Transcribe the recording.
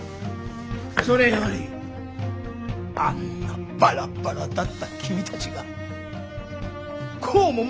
それよりあんなバラバラだった君たちがこうもまとまるとは。